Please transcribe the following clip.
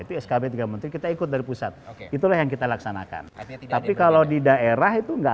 itu skb tiga menteri kita ikut dari pusat itulah yang kita laksanakan tapi kalau di daerah itu enggak